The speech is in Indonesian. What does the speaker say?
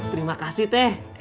terima kasih teh